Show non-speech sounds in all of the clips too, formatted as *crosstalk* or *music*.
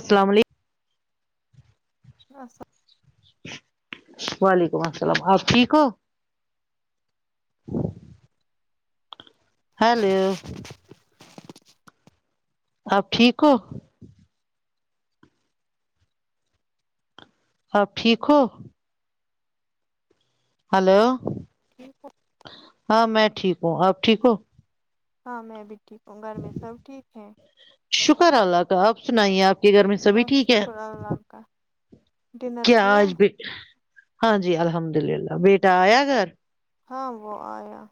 السلام علیکم *unintelligible* وعلیکم السلام آپ ٹھیک ہو *inaudible* ہیلو آپ ٹھیک ہو آپ ٹھیک ہو ہلو ٹھیک ہے ہاں میں ٹھیک آپ ٹھیک ہو ہاں میں ٹھیک گھر میں سب ٹھیک ہے شکر اللہ کا آپ سنائیے آپ کے گھر میں سبھی بس ٹھیک ہے شکر اللہ کاا کیا آج بھی ہاں جی الحمد للہ بیٹا آیا گھر ہاں وہہ آیا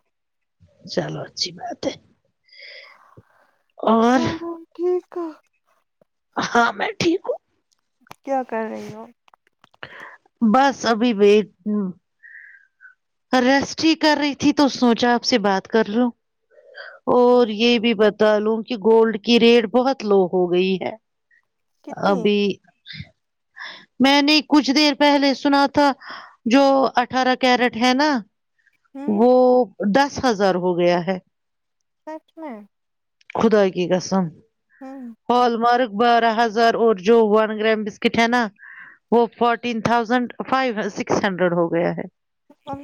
چلو اچھی بات ہے اور ک ہاں میں ٹھیک ہوں کیا کر رہی ہو بس ابھی بھیٹ ہ ریسٹ ہی کر رہی تھی تو سوچا آپ سے بات کر لو اور یہ بھی بت تلوم کہ گولڈ کی ریٹ بہت لو ہو گئی ہے کتنی ابھی میں نے کچھ دیر پہلے سنا تھا جو اٹھارہ کیرٹ ہے نا ہوں وہ دس ہزار ہو گیا ہے سچ میں خدائی کی قسم ہوں ہالمارک بارہ ہزار اور جو ون گرام بسکٹ ہے نا وہ fourteen thousand five six hundred ہو گیا ہے ہ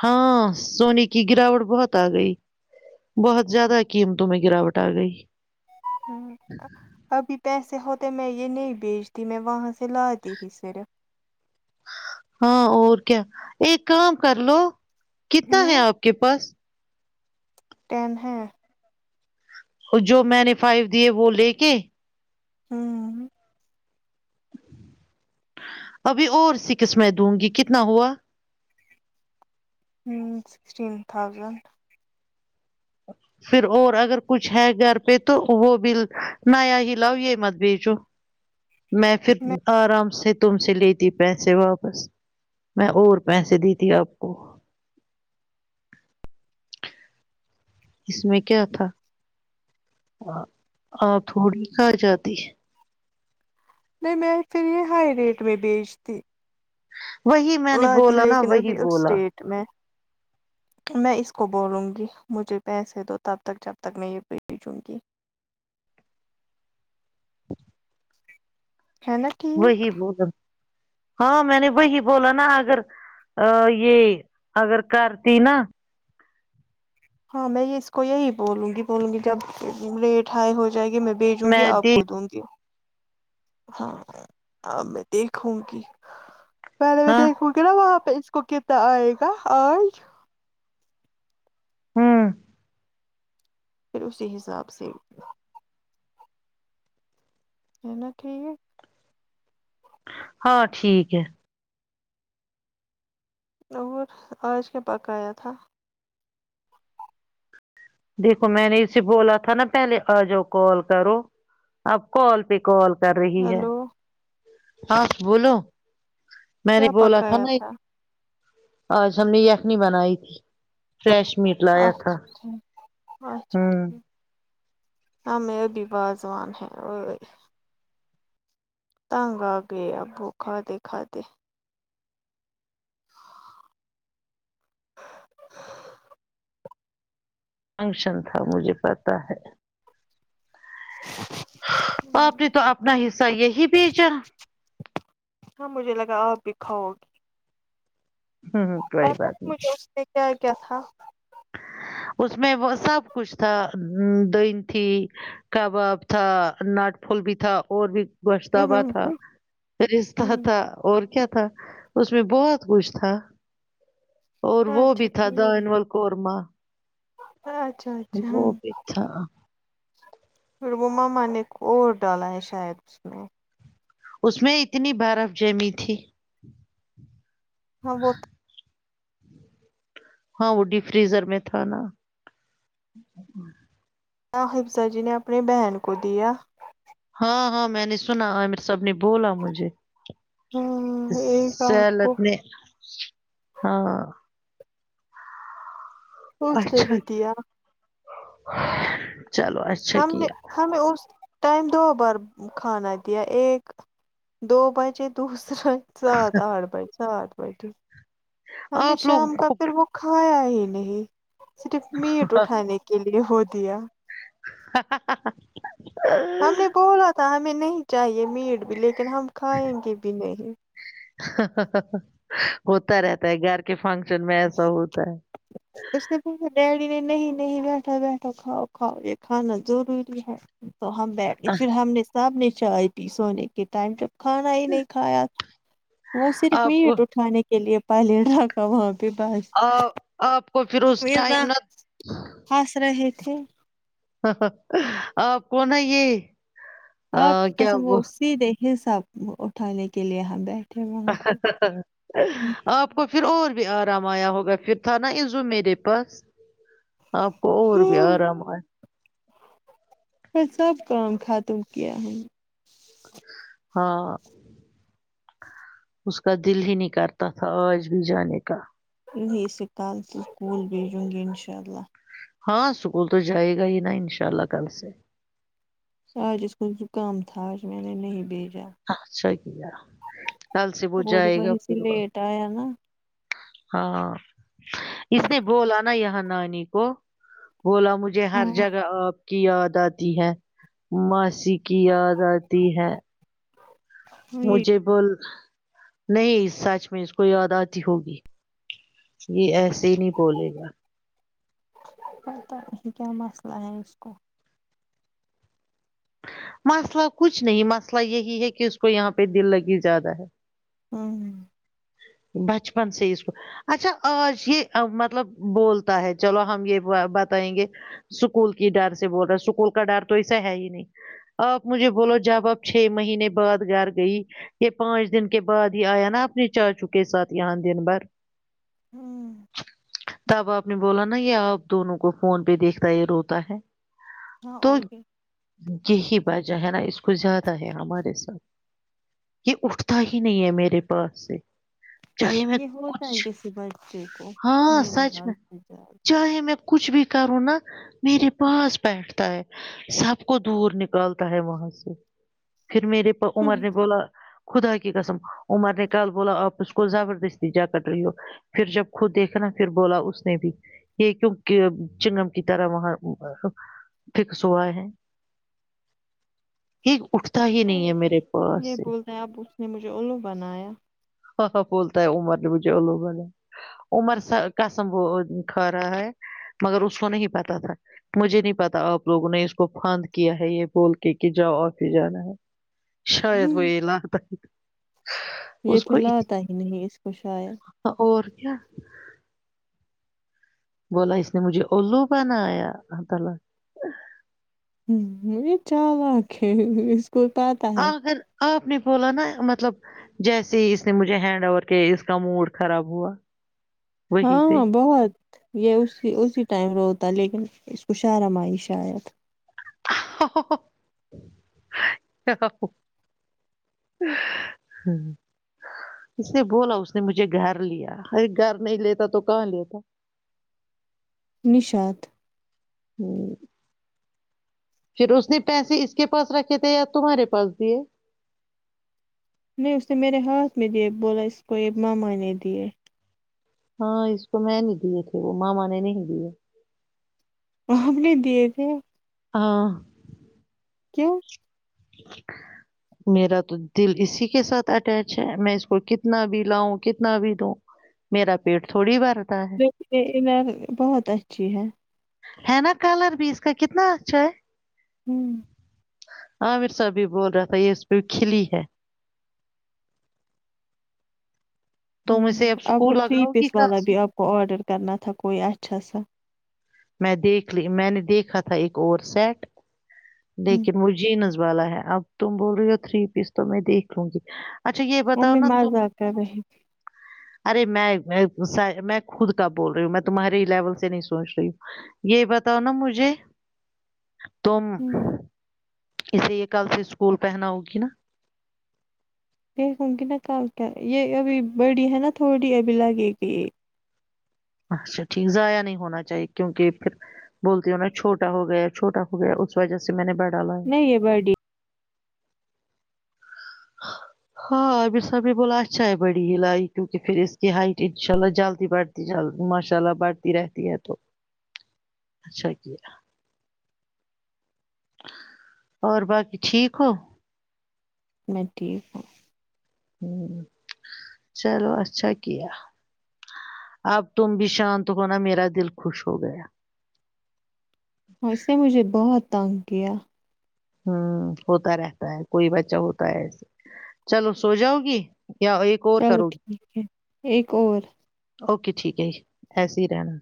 ہاں سونے کی گراوٹ بہت آ گئی بہت زیادہ قیمتوں میں گراوٹ آ گئی ہ ابھی پیسے ہوتے تو میں یہ نہیں بیچتی میں وہاں سے لاتی ہی صرف ہاں اور کیا ایک کام کر لو کتنا ہے ہوں آپ کے پاس ٹین ہے اور جو میں نے فائیو دیے وہ لے کے ہاں ابھی اور س قسمیں دوں گی کتنا ہوا ہ سکسٹین تھاؤزنڈ پھر اور اگر کچھ ہے گھر پہ تو وہ بل نایا ہی لاؤ یہ مت بیچو میں پھر آرام سے تم سے لیتی پیسے واپس میں اور پیسے دیتی آپ کو اس میں کیا تھا آ تھوڑی ک جاتی نہیں میں پھر یہ ہائی ریٹ میں بیچتی وہی میں نے لاتی بولا نا لیکن وہی ابھی اس بولا ریٹ میں میں اس کو بولوں گی مجھے پیسے دو تب تک جب تک میں یہ بھیجوں گی ہے نا ٹھیک وہی بولا ہاں میں نے وہی بولا نا اگر یہ اگر کرتی نا ہاں میں اس کو یہی بولوں گی بولوں گی جب ریٹ ہائی ہو جائے گی میں بھیجوں گی میں آپ دی کو دوں گی ہاں ا میں دیکھوں گی میںہلے بھی ہاں دیکھ گ نا وہاں پہ اس کو کتنا آئے گا آج ہوں پھر اسی حساب سے ہے نا ٹھیک ہے ہاں ٹھیک ہے اور آج کے پکایا تھا دیکھو میں نے اسے بولا تھا نا پہلے آ جاؤ کال کرو اپ کال پہ کال کر رہی ہے ہیلو ہاں بولو میں نے کیا بولا تھا پکایا نا ایک آج ہم نے یخنی بنائی تھی فریش میٹ لایا تھا اچھا ہوں ہ م بھی واضوان ہیں اور تنگ آ گئے ابو کھاتے کھاتے فنکشن تھا مجھے پتہ ہے آاپ نے تو اپنا حصہ یہی بھیجا ہاں مجھے لگا آپ بھی کھاؤ گے ہوں ہوں پ کوئی بات نہیں کیا کیا تھا اس میں وہ سب کچھ تھا دہ تھی کباب تھا ناٹ پھول بھی تھا اور بھی گوشتبہ تھا رشہ تھا اور کیا تھا تھا اس میں بہت کچھ تھا اور وہ اچھا بھی تھا د ٹھیک م اچھا اچھا وہ بھی تھا *inaudible* فربما میں نے کو اور ڈالا ہے شاید اس میں اس میں اتنی برف جیمی تھی ہاں وہ ہاں وہ ڈی فریزر میں تھا نا کیاحفظہ جی نے اپنی بہن کو دیا ہاں ہاں میں نے سنا امر ساب نے بولا مجھے ہاں ایک آپ سلت کو نے ہاں پوستا اچھا ویدیا *unintelligible* اچھا ہم نے کیا ہمیں اس ٹائم دو بار کھانا دیا ایک دو بجے دوس س سات آٹھ بائے سات *unintelligible* ہم نے آپ لوگ شام کا کو پھر وہ کھایا ہی نہیں صرف میٹ اٹھانے کے لیے ہو دیا ہم نے بولا تھا ہم نہیں چاہیے میٹ بھی لے کے ن ہم کھائیں گے بھی نہیں ہوتا رہتا ہے گھر کے فنکشن میں ایسا ہو اس نے پ ڈیڈی نے نہیں نہیں بیٹھا بیٹھا کھؤ کھاؤ یہ کھانا ضروری ہے تو ہم بیٹھ گئے پھر ہم نے سب نے چائے پی سونے کے ٹائم پ کھانا ہی نہیں کھایا وہ صرف آپ کو مٹ اٹھانے کے لیے *unintelligible* آ- *unintelligible* آپ کو پھر ہم اس ٹائم نہ چ آپ کون ہے یہ آپ آ، کی کیا قسم وہ سیدھے حساب اٹھانے کے لیے یہ بیٹھ آپ کو پھر اور بھی آرام آیا ہوگا پھر تھا نا ازو میرے پاس اپ کو اور بھی ہاں، ارام ایا ہو پ سب کام ختم کیا ہے ہاں اس کا دل ہی نکارتا تھا آج بھی جانے کا ا کال سے سکول بھی جن گی ا ان شاء اللہ ہاں سکول تو جائے گا ہی نا ان شاء اللہ کل سے آج اس کو زکام اج میں نے نہیں بھیجا ا سح کل سے وہ اور جائے گا وہیں سے پھر لیٹ آیا نا ہاں اس نے بولا نا یہاں نانی کو بولا مجھے ہر ہاں جگہ کی یاد آتی ہے م کسی کی یاد آتی ہے یہ مجے بول نہیں سچ میں اس کو یاد آتی ہوگی یہ ایسا ی نہیں بولے گا یہ کیا مسئلہ ہے اس کو مسئلہ کچھ نہیں مسئلہ یہی ہے کہ اس کو یہاں پہ دل لگی زیادہ ہے ہوں بچپن سے ہی اس کو اچھا آج یہ مطلب بولتا ہے چلو ہم یہ بتائیں گے اسکول کی ڈر سے بول رہے اسکول کا ڈر تو ایسا ہے ہی نہیں آپ مجھے بولو جب آپ چھ مہینے بعد گھر گئی کہ پانچ دن کے بعد ہی آیا نا آپ نی چاچ کے ساتھ یہاں دن بھر ہوں تب آپ نے بولا نا یہ آپ دونوں کو فون پہ دیکھتا یہ روتا ہے ہاں تو اور بھی یہی وجہ ہے نا اس کو زیادہ ہے ہمارے ساتھ یہ اٹھتا ہی نہیں ہے میرے پاس سےی یہ ہوتا ہے کسی بچے کو ہاں میں نہ سچ حال سے جد چاہے میں کچھ بھی کروں نا میرے پاس بیٹھتا ہے سب کو دور نکالتا ہے وہاں سے پھر میرے عمر نے زیادہ بولا خدا کی قسم عمر نے کال بولا آپ اس کو زبردستی جا کٹ رہی ہو پھر جب خود دیکھا نا پھر بولا اس نے بھی یہ کیوں چنگم کی طرح وہاں فکس ہوا ہے یہ اٹھتا ہی نہیں ہے میرے پاس یہ سے بولتے ہیں اب اس نے مجھے اولو بنایا ہاں بولتا ہے عمر نے مجھےو بلا عمر قسم کھا رہا ہے مگر اس کو نہیں پتا تھا مجھے نہیں پتا آپ لوگوں نے اس کو پاند کیا ہے یہ بول کے کہ جاؤ آفس جانا ہے شاید وہئی ل ہ یہ پل آتا ہی نہیں اس کو شاید چ بولا اس نے مجھے او بنایا تال ہ یہ چال آکھھی آگر آپ نے بولا نا مطلب جیسے ہی اس نے مجھے ہینڈ اوور کیا اس کا موڈ خراب ہوا وہی ہاں پہ ہاں بہت یہ اسی اسی ٹائم پر ہوتا لیکن اس کو شارمائی شاید ہ اس نے بولا اس نے مجھے گھر لیا ارے گھر نہیں لیتا تو کہاں لیتا نشاد ہوں۔ پھر اس نے پیسے اس کے پاس رکھے تھے یا تمہارے پاس دیے نہیں اس نے میرے ہاتھ میں دیے بولا اس کو ایک ماما نے دیے ہاں اس کو میں نہیں دیے تھے وہ ماما نے نہیں دیے وہ نے دیے تھے ہاں کیوں میرا تو دل اسی کے ساتھ اٹیچ ہے میں اس کو کتنا بھی لاؤں کتنا بھی دوں میرا پیٹ تھوڑی بار ر بہت اچھی ہے ہے نا کلر بھی اس کا کتنا اچھا ہے ہوں ہاںامرسا اب بھی بول رہا تھا یہ اس پہ کھلی ہے ہ تم اسے اب وہ سکول تھری لگاؤ پیس گی کل والا سے بھی آپ کو آرڈر کرنا تھا کوئی اچھا اچھا سا میں دیکھ لی میں نے دیکھا تھا ایک اور سیٹ ہوں، لیکن وہ جین والا ہے اب تم بول رہی ہو تھری پیس تو میں دیکھ لوں گی اچھا یہ بتاؤ ممی نا تم مزہ آ کر رہے ارے میں میں خود کا بول رہی ہوں میں تمہاریے لیول سے نہیں سوچ رہی ہ یہ بتاؤ نا مجھے تم تھی ہوں، اسے یہ کل سے اسکول پہنا ہوگی نا دیکھوں گی نا کل کیا یہ ابھی بڑی ہے نا تھوڑی ابھی لگے گی یہ اچھا ٹھیک ضائع نہیں ہونا چاہیے کیونکہ پھر بولتی ہو نا چھوٹا ہو گیا چھوٹا ہو گیا اس وجہ سے میں نے بٹ نہیں یہ بر ڈی ہاں اب صاح نے بولا اچھا ہے بڑی ہ لائی کیونکہ پھر اس کی ہائٹ انشاء اللہ جلدی بڑھتی جل ماشاء اللہ بڑھتی رہتی ہے تو اچھا کیا اور باقی ٹھیک ہو میں ٹھیک ہوں ہ چلو اچھا کیا اب تم بھی شانت ہونا میرا دل خوش ہو گیا ہاں اس سے مجھے بہت تانگیہ ہوں ہوتا رہتا ہے کوئی بچہ ہوتا ہے ایسے چلو سو جاؤ گی یا ایک اور چلو کرو گی ٹھیک ہے ایک اور اوکے ٹھیک ہے جی ایسے ہی رہنا